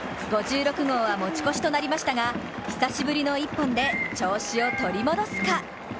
５６号は持ち越しとなりましたが久しぶりの一本で調子を取り戻すか？